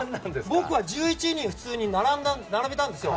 僕は１１人普通に並べたんですよ。